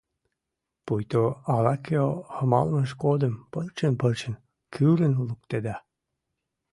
Пуйто ала-кӧ малымыж годым пырчын-пырчын кӱрын луктеда.